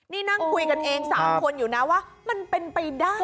นี่นั่งคุยกันเอง๓คนอยู่นะว่ามันเป็นไปได้